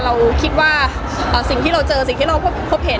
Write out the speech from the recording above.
เราคิดว่าสิ่งที่เราเจอสิ่งที่เราพบเห็น